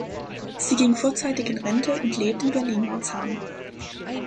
Sie ging vorzeitig in Rente und lebt in Berlin-Marzahn.